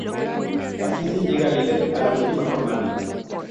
Así, se llega líder a la última jornada.